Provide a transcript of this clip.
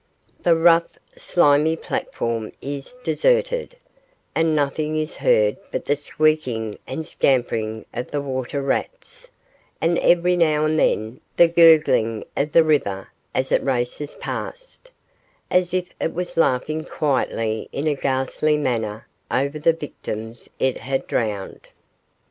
The rough, slimy platform is deserted, and nothing is heard but the squeaking and scampering of the water rats, and every now and then the gurgling of the river as it races past, as if it was laughing quietly in a ghastly manner over the victims it had drowned.